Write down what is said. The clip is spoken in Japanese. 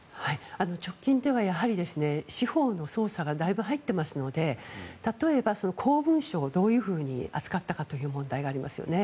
直近ではやはり、司法の捜査がだいぶ入っていますので例えば公文書をどういうふうに扱ったかという問題がありますよね。